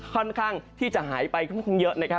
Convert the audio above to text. ค่อนข้างที่จะหายไปคงเยอะ